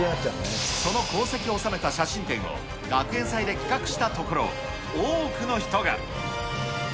その功績を収めた写真展を学園祭で企画したところ、多くの人が。